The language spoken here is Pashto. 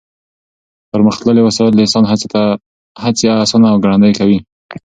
پرمختللې وسایل د انسان هڅې اسانه او ګړندۍ کوي.